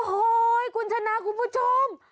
โอ้โหคุณชนะคุณผู้ชม